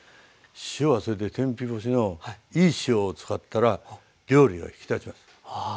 塩はそれで天日干しのいい塩を使ったら料理が引き立ちます。